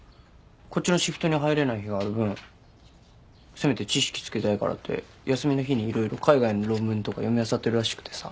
こっちのシフトに入れない日がある分せめて知識つけたいからって休みの日に色々海外の論文とか読みあさってるらしくてさ。